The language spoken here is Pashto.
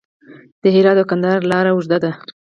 د هرات او کندهار لاره اوږده ده